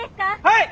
はい！